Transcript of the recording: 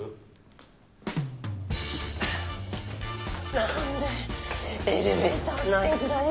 何でエレベーターないんだよ。